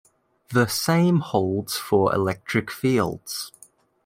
The same holds for electric fields.